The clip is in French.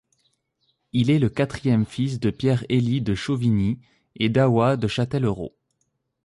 Il est le quatrième fils de Pierre-Hélie de Chauvigny et d'Aois de Châtellerault.